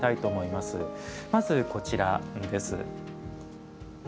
まず、こちらです。